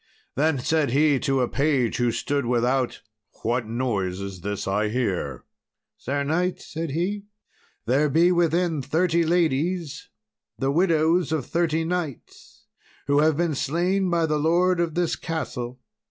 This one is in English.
Then said he to a page who stood without, "What noise is this I hear?" "Sir knight," said he, "there be within thirty ladies, the widows of thirty knights who have been slain by the lord of this castle.